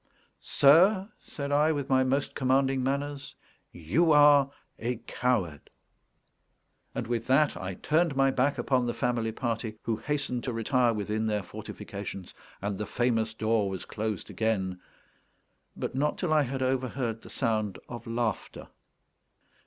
"Sir," said I, with my most commanding manners, "you are a coward." And with that I turned my back upon the family party, who hastened to retire within their fortifications; and the famous door was closed again, but not till I had overheard the sound of laughter.